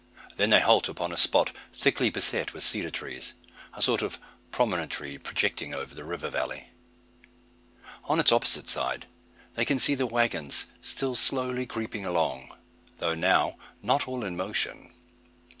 Then they halt upon a spot thickly beset with cedar trees a sort of promontory projecting over the river valley. On its opposite side they can see the waggons still slowly creeping along, though now not all in motion.